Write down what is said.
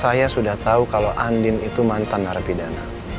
saya sudah tahu kalau andin itu mantan narapidana